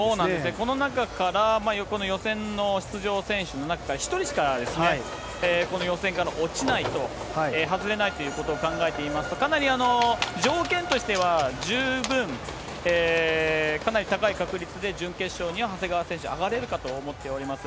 この中から、この予選の出場選手の中から、１人しかこの予選から落ちないと、外れないということを考えていいますと、かなり条件としては十分、かなり高い確率で準決勝には、長谷川選手、上がれるかと思っております。